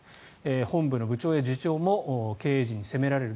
本部の部長や次長も経営陣に責められる。